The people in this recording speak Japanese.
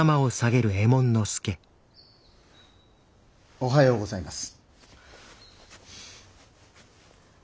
おはようございます。